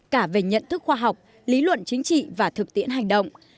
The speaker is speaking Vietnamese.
cả về nhận thức khoa học lý luận chính trị và thực tiễn hành động